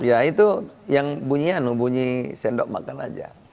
ya itu yang bunyian bunyi sendok makan aja